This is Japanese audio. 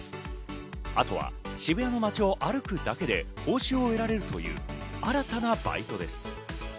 あとは渋谷の街を歩くだけで報酬を得られるという新たなバイトです。